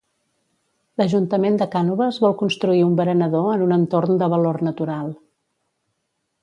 L'Ajuntament de Cànoves vol construir un berenador en un entorn de valor natural.